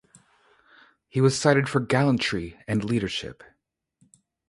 He was cited for gallantry and leadership.